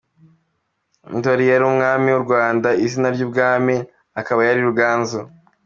Ndori yari Umwami w’u Rwanda, izina ry’ubwami akaba yari Ruganzu.